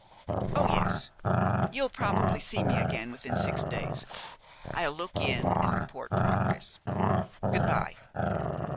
"Oh, yes. You'll probably see me again within six days. I'll look in and report progress. Good by."